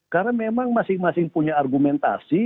karena memang masing masing punya argumentasi